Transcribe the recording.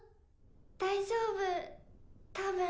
大丈夫たぶん。